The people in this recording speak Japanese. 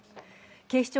警視庁